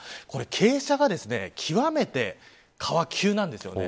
傾斜が極めて、川急なんですよね。